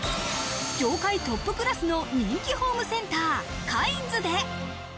業界トップクラスの人気ホームセンター、カインズで。